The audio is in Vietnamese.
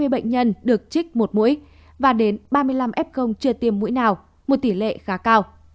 hai mươi bệnh nhân được trích một mũi và đến ba mươi năm f chưa tiêm mũi nào một tỷ lệ khá cao